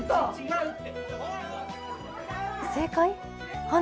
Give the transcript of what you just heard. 正解？